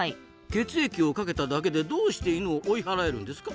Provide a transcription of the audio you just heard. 血液をかけただけでどうしてイヌを追い払えるんですか？